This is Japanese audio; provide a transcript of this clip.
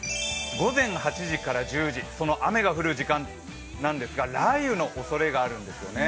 午前８時から１０時、その雨が降る時間なんですが、雷雨のおそれがあるんですよね。